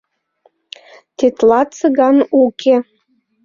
Тетла Цыган уке.